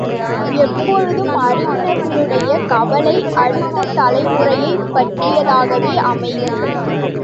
எப்போதும் அறிஞர்களுடைய கவலை அடுத்த தலைமுறையைப் பற்றியதாகவே அமையும்.